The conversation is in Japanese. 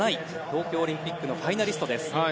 東京オリンピックのファイナリストです。